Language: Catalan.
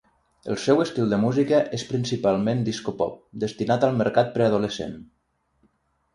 El seu estil de música és principalment disco-pop, destinat al mercat preadolescent.